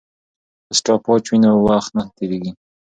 که سټاپ واچ وي نو وخت نه تېریږي.